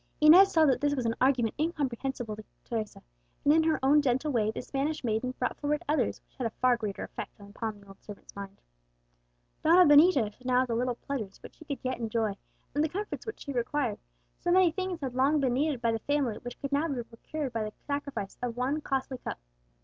Inez saw that this was an argument incomprehensible to Teresa, and in her own gentle way the Spanish maiden brought forward others which had a far greater effect upon the old servant's mind. Donna Benita should now have the little pleasures which she could yet enjoy, and the comforts which she required; so many things had long been needed by the family which could now be procured by the sacrifice of one costly cup.